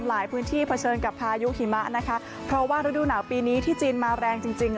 หลายพื้นที่เผชิญกับพายุหิมะนะคะเพราะว่าฤดูหนาวปีนี้ที่จีนมาแรงจริงจริง